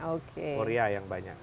oke urea yang banyak